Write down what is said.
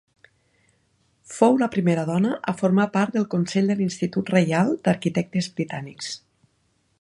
Fou la primera dona a formar part del Consell de l'Institut Reial d'Arquitectes Britànics.